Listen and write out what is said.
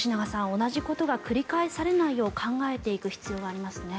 同じことが繰り返されないよう考えていく必要はありますね。